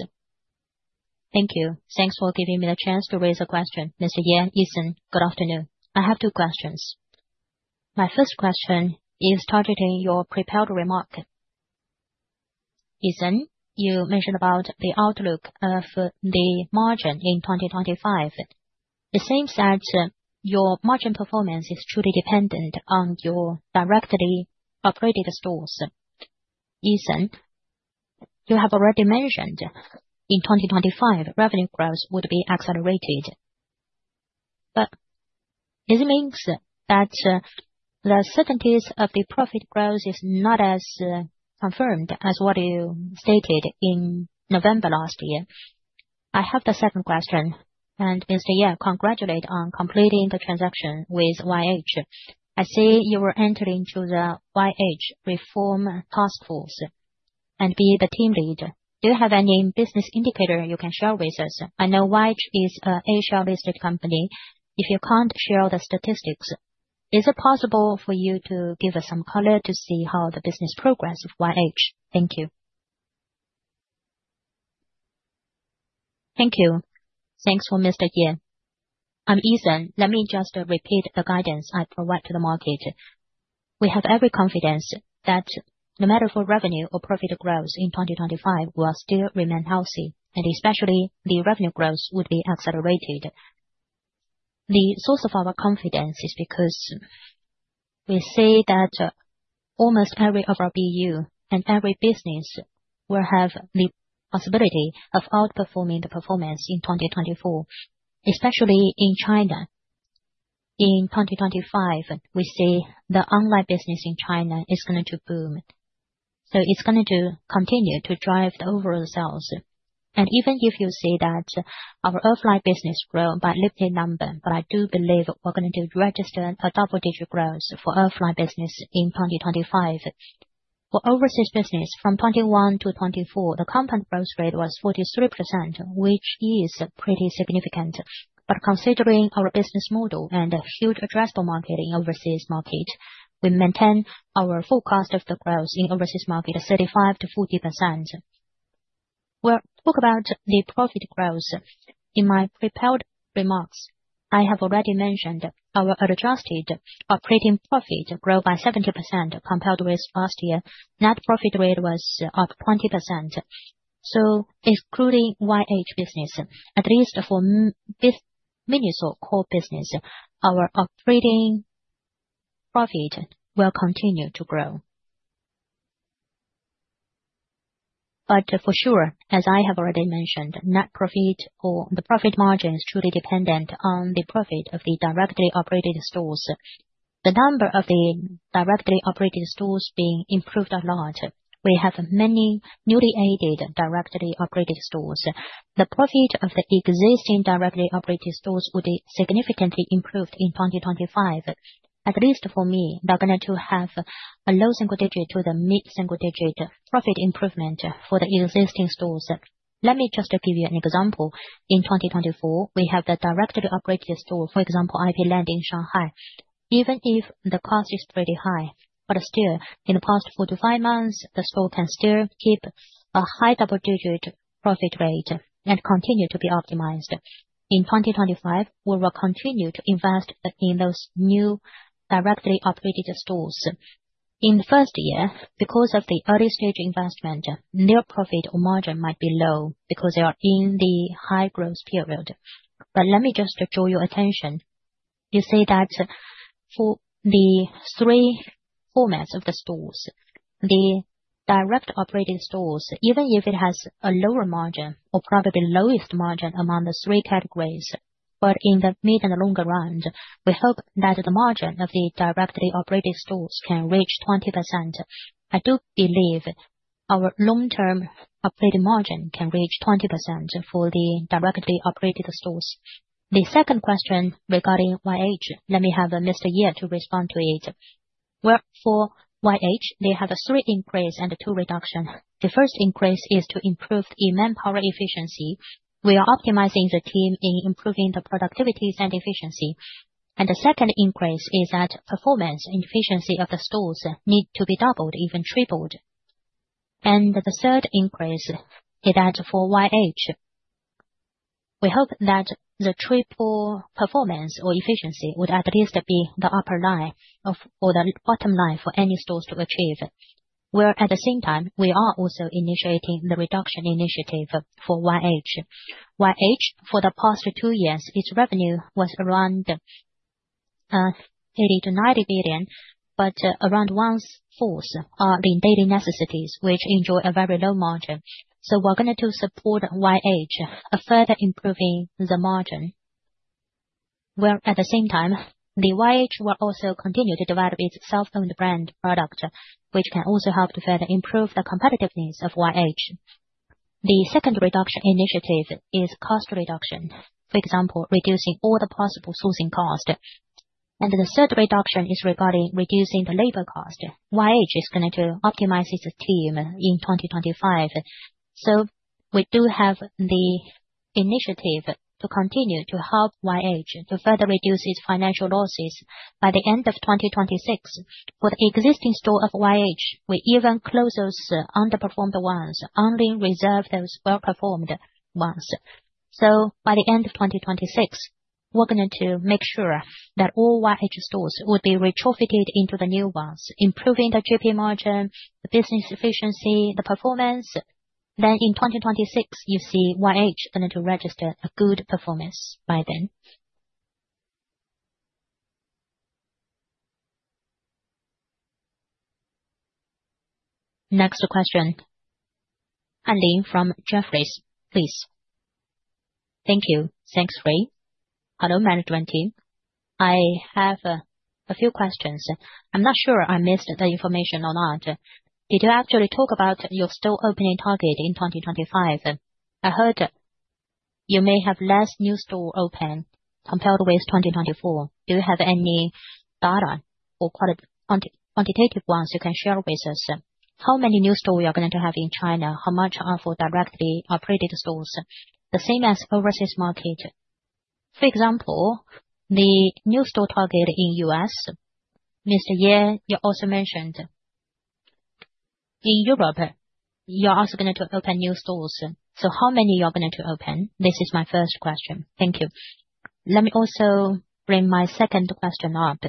Thank you. Thanks for giving me the chance to raise a question. Mr. Ye, Eason, good afternoon. I have two questions. My first question is targeting your prepared remark. Eason, you mentioned about the outlook of the margin in 2025. It seems that your margin performance is truly dependent on your directly operated stores. Eason, you have already mentioned in 2025, revenue growth would be accelerated. This means that the certainties of the profit growth are not as confirmed as what you stated in November last year. I have the second question, and Mr. Ye, congratulations on completing the transaction with YH. I see you were entering into the YH reform task force and being the team lead. Do you have any business indicators you can share with us? I know YH is an Asia-listed company. If you can't share the statistics, is it possible for you to give us some color to see how the business progresses with YH? Thank you. Thank you. Thanks for Mr. Ye. I'm Eason. Let me just repeat the guidance I provide to the market. We have every confidence that no matter for revenue or profit growth in 2025, we will still remain healthy, and especially the revenue growth would be accelerated. The source of our confidence is because we see that almost every BU and every business will have the possibility of outperforming the performance in 2024, especially in China. In 2025, we see the online business in China is going to boom. It is going to continue to drive the overall sales. Even if you see that our offline business grows by a limited number, I do believe we're going to register a double-digit growth for offline business in 2025. For overseas business, from 2021 to 2024, the company growth rate was 43%, which is pretty significant. Considering our business model and a huge addressable market in the overseas market, we maintain our forecast of the growth in the overseas market at 35%-40%. We'll talk about the profit growth in my prepared remarks. I have already mentioned our adjusted operating profit grows by 70% compared with last year. Net profit rate was up 20%. Excluding YH business, at least for this MINISO core business, our operating profit will continue to grow. For sure, as I have already mentioned, net profit or the profit margin is truly dependent on the profit of the directly operated stores. The number of the directly operated stores has been improved a lot. We have many newly added directly operated stores. The profit of the existing directly operated stores would be significantly improved in 2025. At least for me, they're going to have a low single-digit to the mid single-digit profit improvement for the existing stores. Let me just give you an example. In 2024, we have the directly operated store, for example, IP LAND in Shanghai. Even if the cost is pretty high, still, in the past four to five months, the store can still keep a high double-digit profit rate and continue to be optimized. In 2025, we will continue to invest in those new directly operated stores. In the first year, because of the early-stage investment, their profit or margin might be low because they are in the high growth period. Let me just draw your attention. You see that for the three formats of the stores, the direct operated stores, even if it has a lower margin or probably lowest margin among the three categories, in the mid and longer run, we hope that the margin of the directly operated stores can reach 20%. I do believe our long-term operating margin can reach 20% for the directly operated stores. The second question regarding YH, let me have Mr. Ye respond to it. For YH, they have three increases and two reductions. The first increase is to improve the manpower efficiency. We are optimizing the team in improving the productivity and efficiency. The second increase is that performance and efficiency of the stores need to be doubled, even tripled. The third increase is that for YH, we hope that the triple performance or efficiency would at least be the upper line or the bottom line for any stores to achieve. At the same time, we are also initiating the reduction initiative for YH. YH, for the past two years, its revenue was around 80 billion-90 billion, but around one-fourth are in daily necessities, which enjoy a very low margin. We are going to support YH in further improving the margin. At the same time, YH will also continue to develop its self-owned brand product, which can also help to further improve the competitiveness of YH. The second reduction initiative is cost reduction. For example, reducing all the possible sourcing costs. The third reduction is regarding reducing the labor cost. YH is going to optimize its team in 2025. We do have the initiative to continue to help YH to further reduce its financial losses by the end of 2026. For the existing store of YH, we even close those underperformed ones, only reserve those well-performed ones. By the end of 2026, we're going to make sure that all YH stores would be retrofitted into the new ones, improving the GP margin, the business efficiency, the performance. In 2026, you see YH going to register a good performance by then. Next question, Anne Lingg from Jefferies, please. Thank you. Thanks, Rey. Hello, management team. I have a few questions. I'm not sure I missed the information or not. Did you actually talk about your store opening target in 2025? I heard you may have less new stores open compared with 2024. Do you have any data or quantitative ones you can share with us? How many new stores are you going to have in China? How much are for directly operated stores? The same as the overseas market. For example, the new store target in the U.S., Mr. Ye, you also mentioned. In Europe, you're also going to open new stores. How many are you going to open? This is my first question. Thank you. Let me also bring my second question up.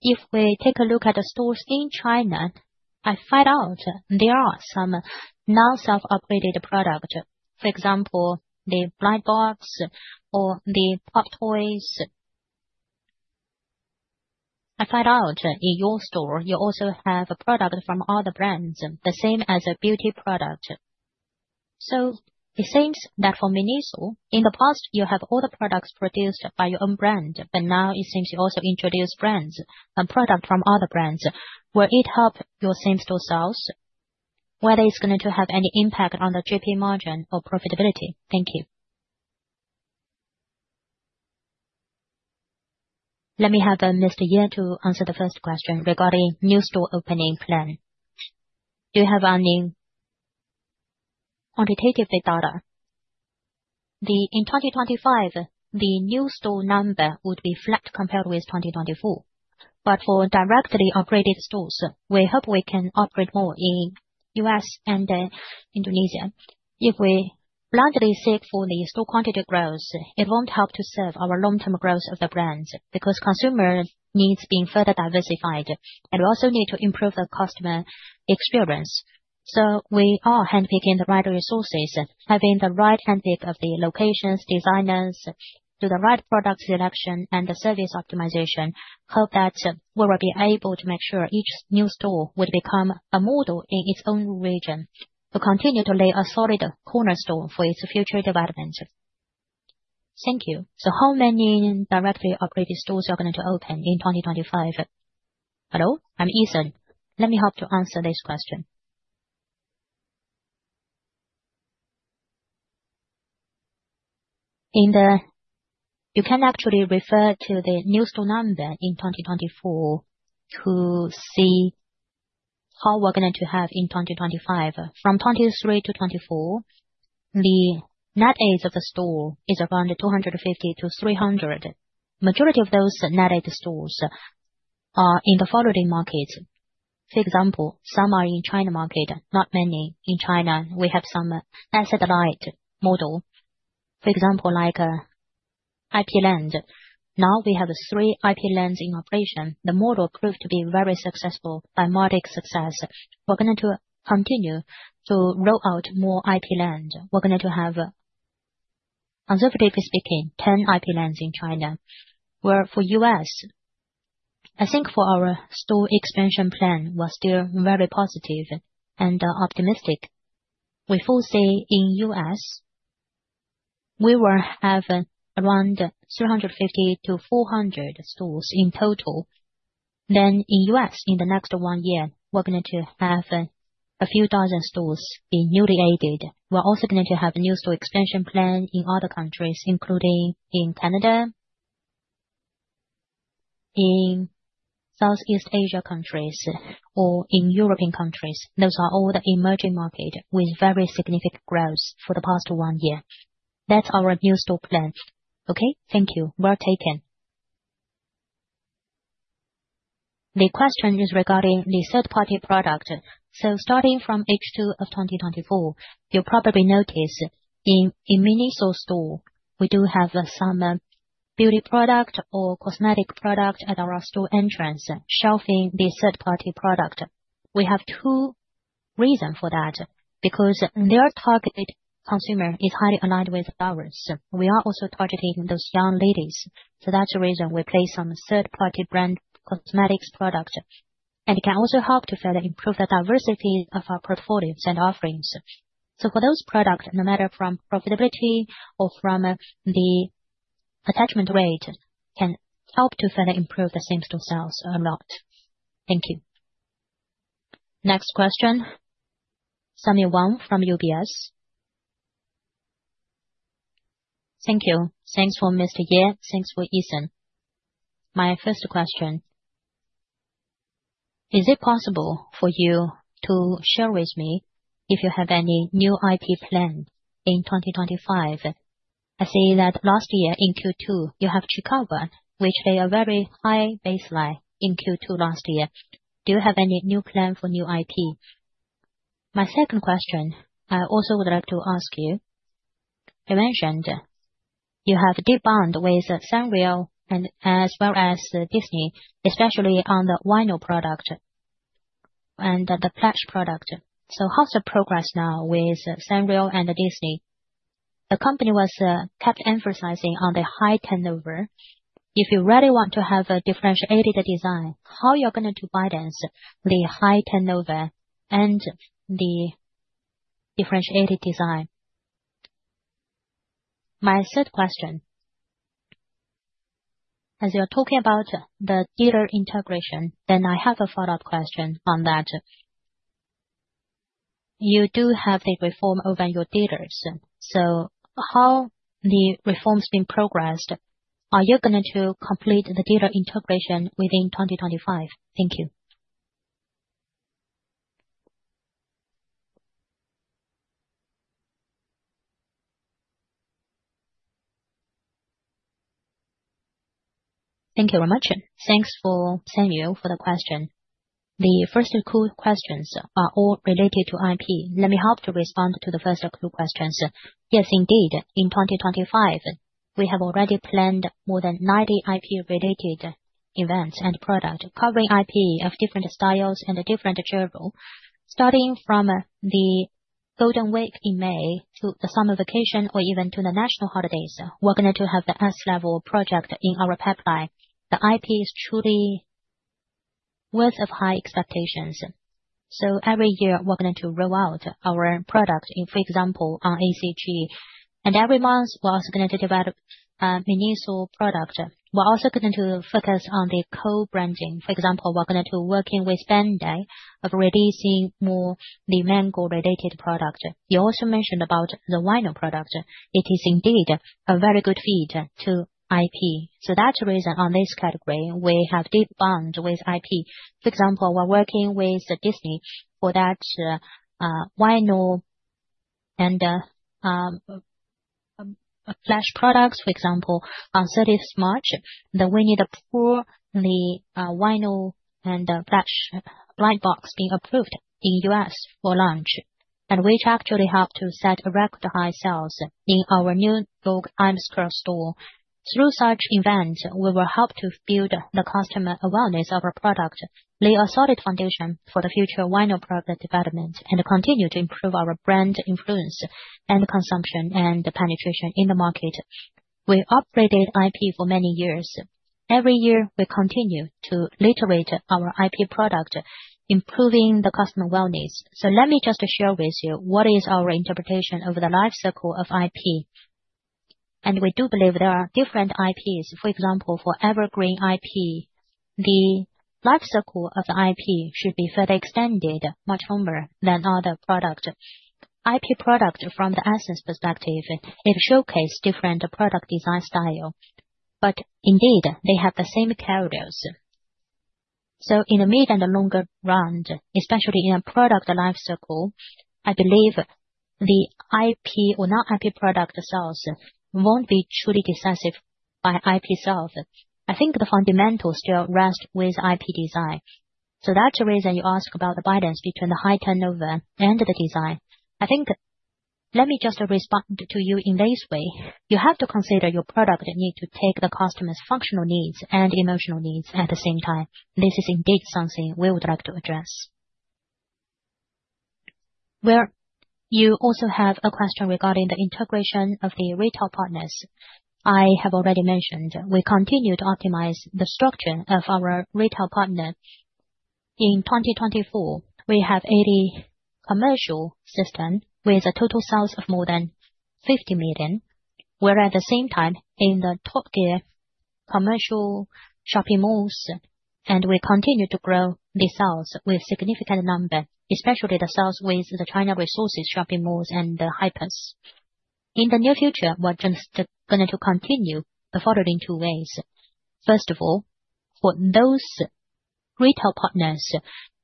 If we take a look at the stores in China, I find out there are some non-self-operated products. For example, the Blind Box or the Pop Toys. I find out in your store, you also have products from other brands, the same as a beauty product. It seems that for MINISO stores, in the past, you have all the products produced by your own brand, but now it seems you also introduce brands and products from other brands. Will it help your Same-store sales? Whether it's going to have any impact on the GP margin or profitability? Thank you. Let me have Mr. Ye answer the first question regarding new store opening plan. Do you have any quantitative data? In 2025, the new store number would be flat compared with 2024. For directly operated stores, we hope we can operate more in the U.S. and Indonesia. If we blindly seek for the store quantity growth, it won't help to serve our long-term growth of the brands because consumer needs are being further diversified, and we also need to improve the customer experience. We are handpicking the right resources, having the right handpick of the locations, designers, do the right product selection, and the service optimization. Hope that we will be able to make sure each new store would become a model in its own region to continue to lay a solid cornerstone for its future development. Thank you. How many directly operated stores are going to open in 2025? Hello, I'm Eason. Let me help to answer this question. You can actually refer to the new store number in 2024 to see how we're going to have in 2025. From 2023 to 2024, the net age of the store is around 250-300. The majority of those net age stores are in the following markets. For example, some are in the China market, not many in China. We have some asset light model. For example, like IP LAND. Now we have three IP LANDs in operation. The model proved to be very successful by multiple successes. We're going to continue to roll out more IP LANDs. We're going to have, conservatively speaking, 10 IP LANDs in China. For the U.S., I think for our store expansion plan, we're still very positive and optimistic. We foresee in the U.S., we will have around 350-400 stores in total. In the U.S., in the next one year, we're going to have a few dozen stores being newly added. We're also going to have a new store expansion plan in other countries, including in Canada, in Southeast Asia countries, or in European countries. Those are all the emerging markets with very significant growth for the past one year. That's our new store plan. Thank you. Well taken. The question is regarding the third-party product. Starting from H2 of 2024, you'll probably notice in a MINISO store, we do have some beauty products or cosmetic products at our store entrance shelving the third-party product. We have two reasons for that. Because their target consumer is highly aligned with ours. We are also targeting those young ladies. That's the reason we place on the third-party brand cosmetics products. It can also help to further improve the diversity of our portfolios and offerings. For those products, no matter from profitability or from the attachment rate, can help to further improve the Same-store sales a lot. Thank you. Next question. Samuel Wong from UBS. Thank you. Thanks for Mr. Ye. Thanks for Eason. My first question. Is it possible for you to share with me if you have any new IP plan in 2025? I see that last year in Q2, you have CHiiKAWA, which laid a very high baseline in Q2 last year. Do you have any new plan for new IP? My second question, I also would like to ask you. You mentioned you have a deep bond with Sanrio as well as Disney, especially on the Wino product and the Plush product. How's the progress now with Sanrio and Disney? The company was kept emphasizing on the high turnover. If you really want to have a differentiated design, how are you going to balance the high turnover and the differentiated design? My third question. As you're talking about the dealer integration, I have a follow-up question on that. You do have a reform over your dealers. How are the reforms being progressed? Are you going to complete the dealer integration within 2025? Thank you. Thank you very much. Thanks for Samuele for the question. The first two questions are all related to IP. Let me help to respond to the first two questions. Yes, indeed, in 2025, we have already planned more than 90 IP-related events and products covering IP of different styles and different genres. Starting from the golden week in May to the summer vacation or even to the national holidays, we are going to have the S-level project in our pipeline. The IP is truly worthy of high expectations. Every year, we are going to roll out our product, for example, on ACG. Every month, we are also going to develop a mini store product. We are also going to focus on the co-branding. For example, we are going to work with Bandai on releasing more of the manga-related product. You also mentioned about the Wino product. It is indeed a very good fit to IP. That's the reason on this category, we have deep bonds with IP. For example, we're working with Disney for that Wino and Plush products. For example, on 30th March, we need to pull the Wino and Plush Blind Box being approved in the U.S. for launch, which actually helped to set a record high sales in our New York Times Square store. Through such events, we will help to build the customer awareness of our product, lay a solid foundation for the future Wino product development, and continue to improve our brand influence and consumption and penetration in the market. We operated IP for many years. Every year, we continue to literate our IP product, improving the customer wellness. Let me just share with you what is our interpretation of the life cycle of IP. We do believe there are different IPs. For example, for evergreen IP, the life cycle of the IP should be further extended much longer than other products. IP products from the essence perspective, it showcases different product design style. Indeed, they have the same carriers. In the mid and the longer run, especially in a product life cycle, I believe the IP or non-IP product sales will not be truly decisive by IP self. I think the fundamentals still rest with IP design. That is the reason you ask about the balance between the high turnover and the design. Let me just respond to you in this way. You have to consider your product needs to take the customer's functional needs and emotional needs at the same time. This is indeed something we would like to address. You also have a question regarding the integration of the retail partners. I have already mentioned we continue to optimize the structure of our retail partner. In 2024, we have 80 commercial systems with a total sales of more than 50 million. We're at the same time in the top-tier commercial shopping malls, and we continue to grow the sales with a significant number, especially the sales with the China Resources shopping malls and the hypers. In the near future, we're just going to continue the following two ways. First of all, for those retail partners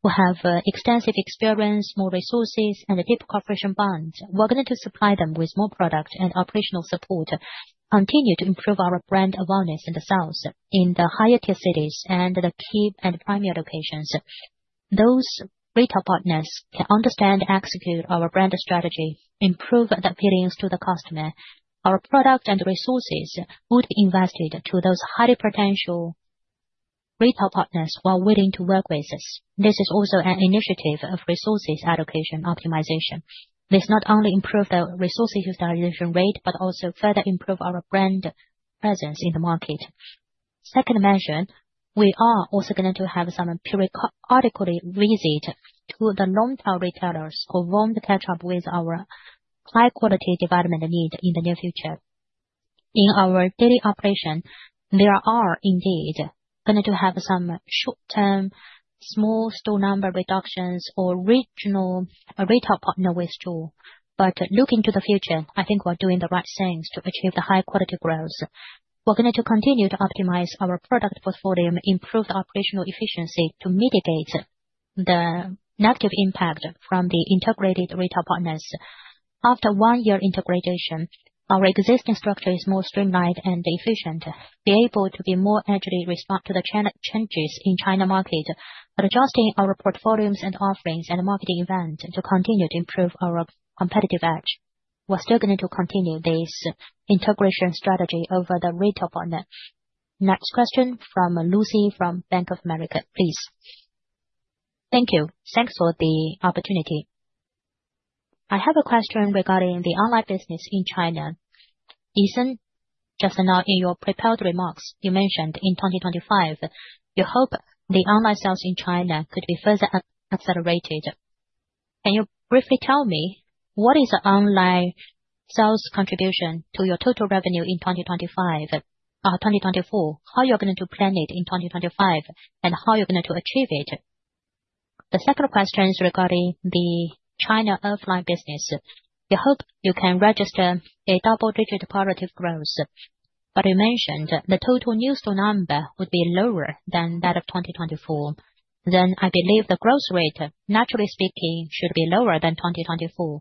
who have extensive experience, more resources, and deep cooperation bonds, we're going to supply them with more products and operational support, continue to improve our brand awareness and sales in the higher-tier cities and the key and primary locations. Those retail partners can understand and execute our brand strategy, improve the appealing to the customer. Our products and resources would be invested to those highly potential retail partners who are willing to work with us. This is also an initiative of resources allocation optimization. This not only improves the resources utilization rate, but also further improves our brand presence in the market. Second mention, we are also going to have some periodically visit to the long-term retailers who want to catch up with our high-quality development needs in the near future. In our daily operation, there are indeed going to have some short-term small store number reductions or regional retail partner with store. Looking to the future, I think we're doing the right things to achieve the high-quality growth. We're going to continue to optimize our product portfolio, improve the operational efficiency to mitigate the negative impact from the integrated retail partners. After one year integration, our existing structure is more streamlined and efficient, be able to be more agile to respond to the changes in China market, adjusting our portfolios and offerings and marketing events to continue to improve our competitive edge. We're still going to continue this integration strategy over the retail partner. Next question from Lucy from Bank of America, please. Thank you. Thanks for the opportunity. I have a question regarding the online business in China. Eason, just now in your prepared remarks, you mentioned in 2025, you hope the online sales in China could be further accelerated. Can you briefly tell me what is the online sales contribution to your total revenue in 2025 or 2024, how you're going to plan it in 2025, and how you're going to achieve it? The second question is regarding the China offline business. You hope you can register a double-digit productive growth. You mentioned the total new store number would be lower than that of 2024. I believe the growth rate, naturally speaking, should be lower than 2024.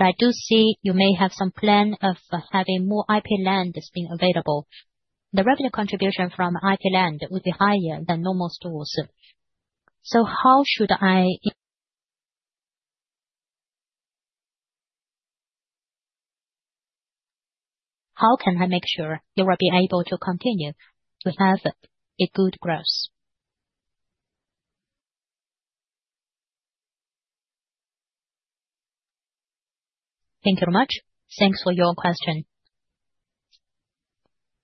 I do see you may have some plan of having more IP LANDs being available. The revenue contribution from IP LAND would be higher than normal stores. How should I, how can I make sure you will be able to continue to have a good growth? Thank you very much. Thanks for your question.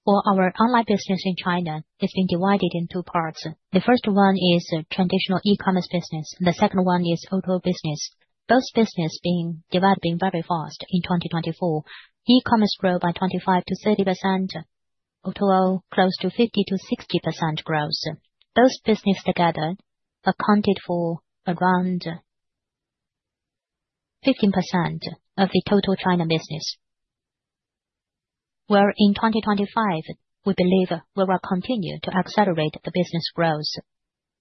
For our online business in China, it's been divided into two parts. The first one is traditional e-commerce business. The second one is O2O business. Both businesses being developing very fast in 2024. E-commerce grew by 25%-30%. O2O close to 50%-60% growth. Both businesses together accounted for around 15% of the total China business. Where in 2025, we believe we will continue to accelerate the business growth.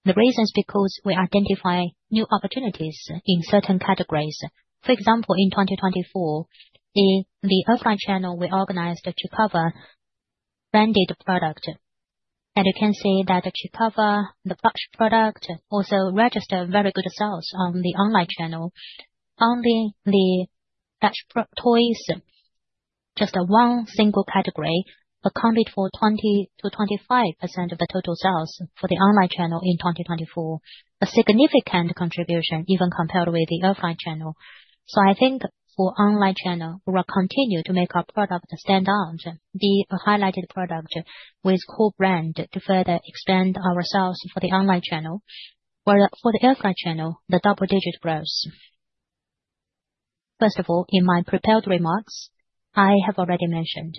The reason is because we identify new opportunities in certain categories. For example, in 2024, the offline channel we organized to co-branded product. You can see that to cover the Plush product, also register very good sales on the online channel. Only the Plush toys, just one single category, accounted for 20-25% of the total sales for the online channel in 2024. A significant contribution even compared with the offline channel. I think for online channel, we will continue to make our product stand out, be a highlighted product with core brand to further expand our sales for the online channel. Where for the offline channel, the double-digit growth. First of all, in my prepared remarks, I have already mentioned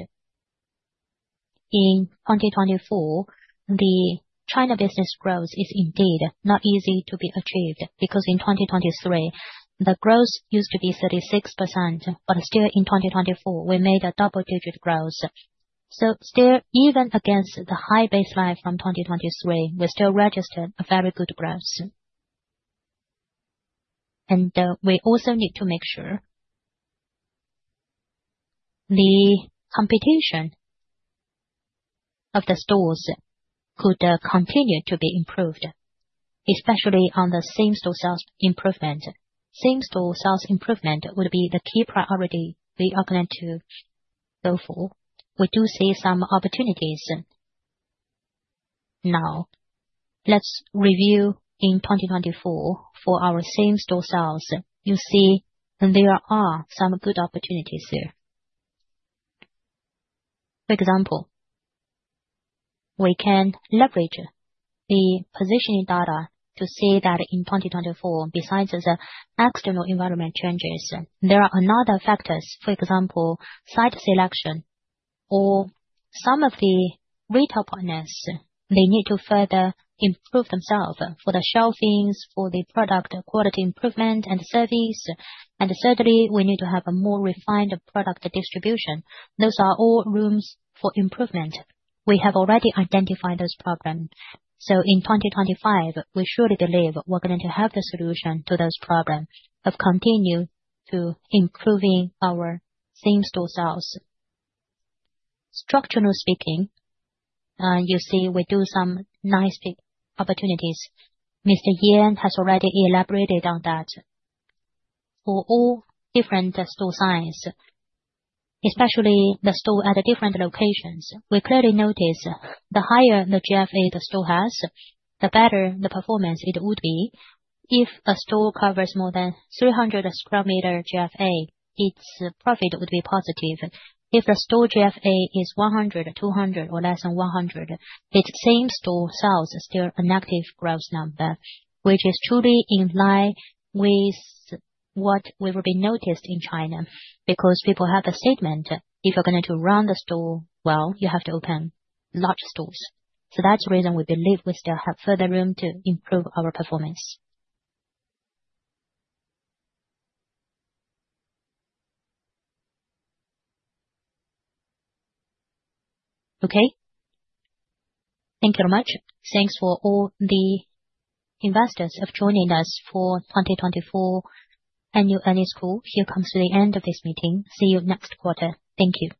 in 2024, the China business growth is indeed not easy to be achieved because in 2023, the growth used to be 36%, but still in 2024, we made a double-digit growth. Still, even against the high baseline from 2023, we still registered a very good growth. We also need to make sure the competition of the stores could continue to be improved, especially on the Same-store sales improvement. Same-store sales improvement would be the key priority we are going to go for. We do see some opportunities now. Let's review in 2024 for our Same-store sales. You see, there are some good opportunities here. For example, we can leverage the positioning data to see that in 2024, besides the external environment changes, there are a lot of factors. For example, site selection or some of the retail partners, they need to further improve themselves for the shelving, for the product quality improvement and service. Certainly, we need to have a more refined product distribution. Those are all rooms for improvement. We have already identified those problems. In 2025, we surely believe we're going to have the solution to those problems of continuing to improving our Same-store sales. Structurally speaking, you see we do some nice opportunities. Mr. Ye has already elaborated on that. For all different store sizes, especially the store at different locations, we clearly notice the higher the GFA the store has, the better the performance it would be. If a store covers more than 300 sq m GFA, its profit would be positive. If the store GFA is 100 sq m, 200 sq m, or less than 100 sq m, its Same-store sales is still a negative growth number, which is truly in line with what we will be noticed in China because people have a statement, "If you're going to run the store, well, you have to open large stores." That is the reason we believe we still have further room to improve our performance. Okay. Thank you very much. Thanks for all the investors for joining us for 2024 Annual Earnings Call. Here comes to the end of this meeting. See you next quarter. Thank you.